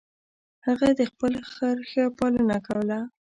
هغه د خپل خر ښه پالنه کوله.